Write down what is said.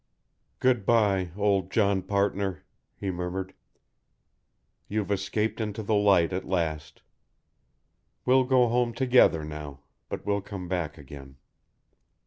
"Good bye, old John partner!" he murmured. "You've escaped into the light at last. We'll go home together now, but we'll come back again."